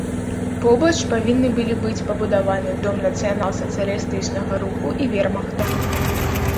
Побач павінны былі быць пабудаваны дом нацыянал-сацыялістычнага руху і вермахта.